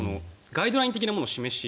ガイドライン的なものを示し